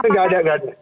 enggak ada enggak ada